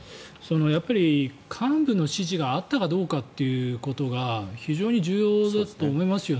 幹部の指示があったかどうかということが非常に重要だと思いますよね。